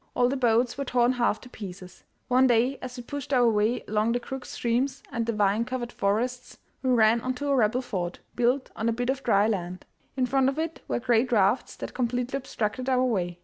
All the boats were torn half to pieces. One day as we pushed our way along the crooked streams amid the vine covered forests we ran onto a Rebel fort built on a bit of dry land. In front of it were great rafts that completely obstructed our way.